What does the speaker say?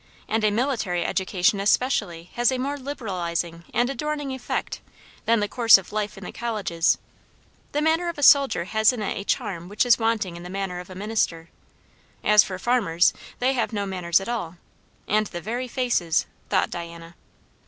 And a military education especially has a more liberalizing and adorning effect than the course of life in the colleges; the manner of a soldier has in it a charm which is wanting in the manner of a minister. As for farmers, they have no manners at all. And the very faces, thought Diana.